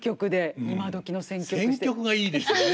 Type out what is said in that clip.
選曲がいいですよね。